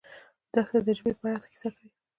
دښته د ژبې پرته کیسه کوي.